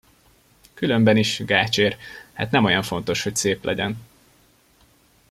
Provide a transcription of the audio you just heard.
Különben is, gácsér, hát nem olyan fontos, hogy szép legyen.